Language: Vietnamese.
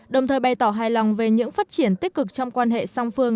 đồng thời bày tỏ hài lòng về những phát triển tích cực trong quan hệ song phương